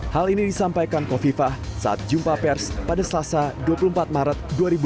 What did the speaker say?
hal ini disampaikan kofifah saat jumpa pers pada selasa dua puluh empat maret dua ribu dua puluh